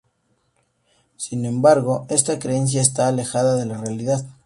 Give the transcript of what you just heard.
Sin embargo esta creencia esta alejada de la realidad.